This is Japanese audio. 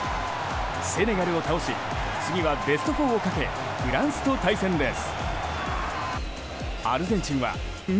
セネガルを倒し次はベスト４をかけフランスと対戦です。